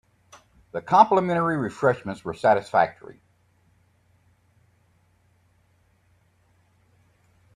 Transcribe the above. The complimentary refreshments were satisfactory.